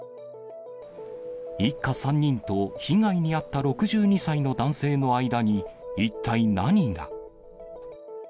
一家３人と被害に遭った６２歳の男性の間に、一体何が。